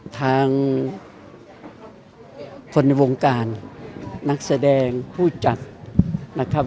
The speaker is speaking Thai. ทางคนในวงการนักแสดงผู้จัดนะครับ